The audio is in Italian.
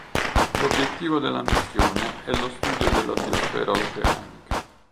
L'obiettivo della missione è lo studio della biosfera oceanica.